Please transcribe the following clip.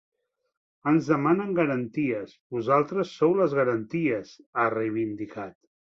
Ens demanen garanties: vosaltres sou les garanties, ha reivindicat.